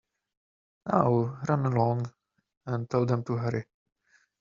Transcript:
Now run along, and tell them to hurry.